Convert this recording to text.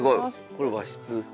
これ和室。